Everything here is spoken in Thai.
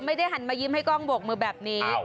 ไม่ได้หันมายิ้มให้กล้องโบกมือแบบนี้